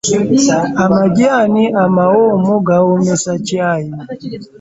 Amajaani amawoomu gawoomesa caayi.